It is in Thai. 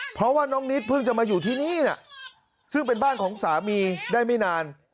เพราะว่าน้องนิดเพิ่งจะมาอยู่ที่นี่นะซึ่งเป็นบ้านของสามีได้ไม่นาน